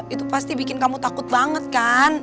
itu pasti bikin kamu takut banget kan